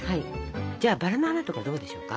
じゃあバラの花とかどうでしょうか？